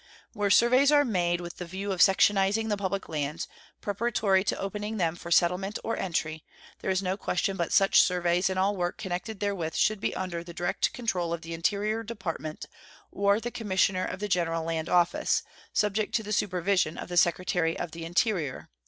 Where surveys are made with the view of sectionizing the public lands, preparatory to opening them for settlement or entry, there is no question but such surveys and all work connected therewith should be under the direct control of the Interior Department or the Commissioner of the General Land Office, subject to the supervision of the Secretary of the Interior.